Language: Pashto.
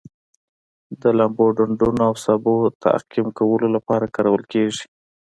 د لامبلو ډنډونو او سابو تعقیم کولو لپاره کارول کیږي.